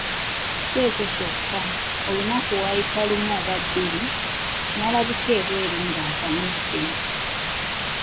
Si ekyo kyokka, olunaku lwayita lumu oba bbiri, n'alabika ebweru ng'atamidde.